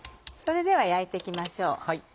それでは焼いて行きましょう。